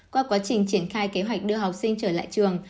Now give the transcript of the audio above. qua quá trình triển khai kế hoạch đưa học sinh trở lại trường